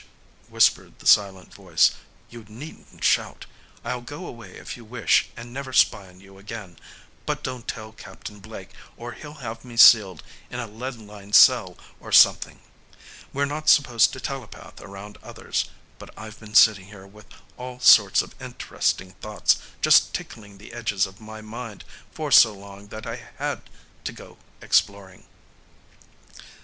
whispered the silent voice. "You needn't shout. I'll go away if you wish and never spy on you again, but don't tell Captain Blake, or he'll have me sealed in a lead lined cell or something. We're not supposed to telepath around others, but I've been sitting here with all sorts of interesting thoughts just tickling the edges of my mind for so long that I had to go exploring."